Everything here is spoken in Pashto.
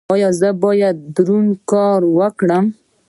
ایا زه باید دروند کار وکړم؟